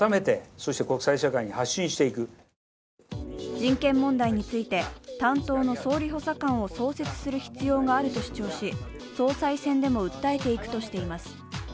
人権問題について、担当の総理補佐官を創設する必要があると主張し、総裁選でも訴えていくとしています。